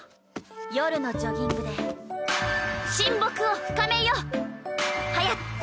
夜のジョギングで親睦を深めようはやっち。